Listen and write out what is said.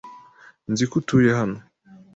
Nzi ko utuye hano.